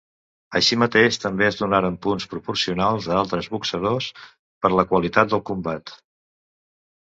Així mateix també es donaren punts proporcionals a altres boxadors per la qualitat del combat.